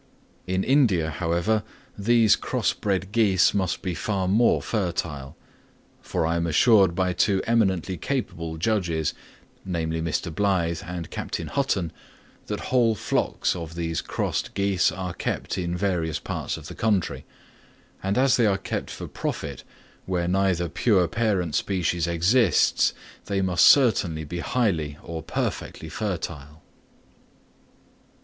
In India, however, these cross bred geese must be far more fertile; for I am assured by two eminently capable judges, namely Mr. Blyth and Captain Hutton, that whole flocks of these crossed geese are kept in various parts of the country; and as they are kept for profit, where neither pure parent species exists, they must certainly be highly or perfectly fertile.